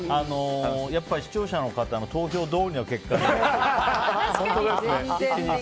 やっぱり視聴者の方の投票どおりの結果に。